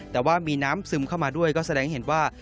แต่ว่ามีน้ำซึมเข้ามาด้วยก็แสดงเห็นว่า